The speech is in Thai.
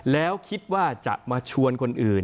แล้วคิดว่าจะมาชวนคนอื่น